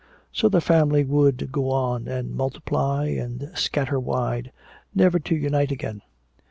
So the family would go on, and multiply and scatter wide, never to unite again.